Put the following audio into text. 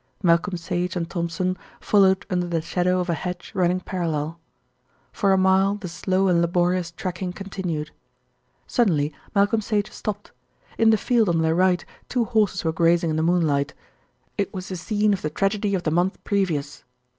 Malcolm Sage and Thompson followed under the shadow of a hedge running parallel. For a mile the slow and laborious tracking continued. Suddenly Malcolm Sage stopped. In the field on their right two horses were grazing in the moonlight. It was the scene of the tragedy of the month previous!